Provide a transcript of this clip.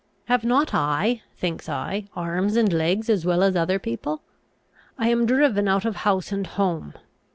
Have not I, thinks I, arms and legs as well as other people? I am driven out of house and home.